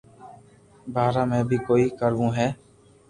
بارا ۾ بي ڪوئي ڪروو ھي